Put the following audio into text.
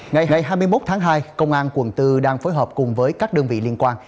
ngày hai mươi một tháng hai công an quận bốn đang phối hợp cùng với các đơn vị liên quan